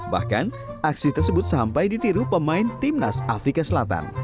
bahkan aksi tersebut sampai ditiru pemain timnas afrika selatan